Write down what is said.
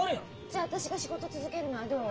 じゃあ私が仕事続けるのはどう？